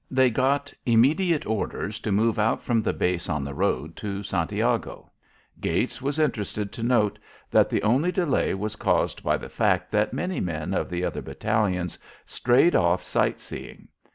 They got immediate orders to move out from the base on the road to Santiago. Gates was interested to note that the only delay was caused by the fact that many men of the other battalions strayed off sight seeing.